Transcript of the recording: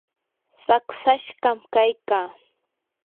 saqsashqam kaykaa.